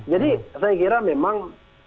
jadi saya kira memang